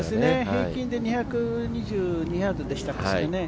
平均で２２２ヤードでしたからね。